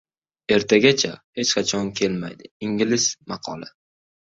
"Ertaga" hech qachon kelmaydi. Ingliz maqoli